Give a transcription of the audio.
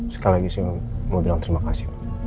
sekali lagi mau bilang terima kasih pak